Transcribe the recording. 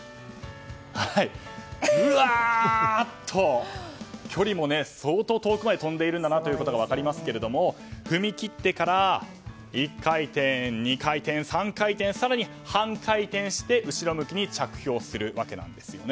うわーっと、距離も相当遠くまで跳んでいるんだなということが分かりますが踏み切ってから１回転、２回転、３回転更に半回転して、後ろ向きに着氷するわけなんですよね。